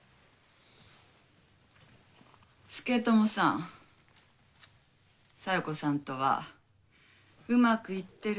佐智さん小夜子さんとはうまくいってるの？